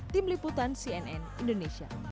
tim liputan cnn indonesia